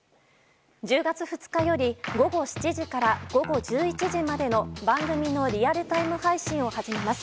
１０月２日より午後７時から午後１１時までの番組のリアルタイム配信を始めます。